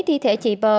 thi thể chị pê